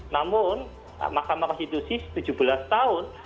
namun mahkamah konstitusi tujuh belas tahun